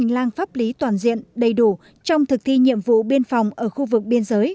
lăng pháp lý toàn diện đầy đủ trong thực thi nhiệm vụ biên phòng ở khu vực biên giới